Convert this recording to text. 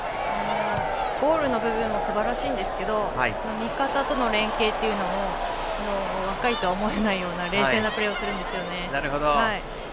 ゴールの部分もすばらしいんですが味方との連携でも若いとは思えないような冷静なプレーをするんですよね。